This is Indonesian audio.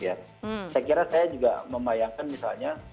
saya kira saya juga membayangkan misalnya